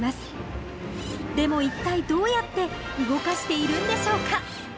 でも一体どうやって動かしているんでしょうか？